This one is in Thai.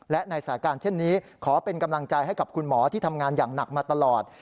และในสถานการณ์เช่นนี้ขอเป็นกำลังใจให้กับคุณหมอที่ทำงานอย่างหนักมาตลอด